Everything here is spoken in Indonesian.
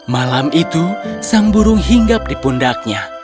malam itu sang burung hinggap di pundaknya